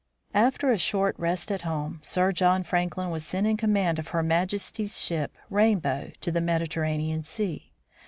After a short rest at home, Sir John Franklin was sent in command of her Majesty's ship, Rambozu, to the Mediter ranean sea.